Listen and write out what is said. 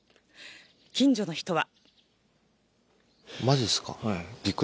近所の人は。